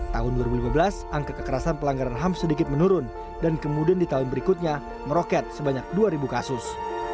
tahun dua ribu lima belas angka kekerasan pelanggaran ham sedikit menurun dan kemudian di tahun berikutnya meroket sebanyak dua kasus